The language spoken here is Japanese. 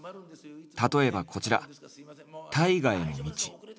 例えばこちら「大河への道」。